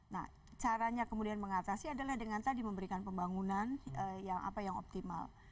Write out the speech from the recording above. nah caranya kemudian mengatasi adalah dengan tadi memberikan pembangunan yang optimal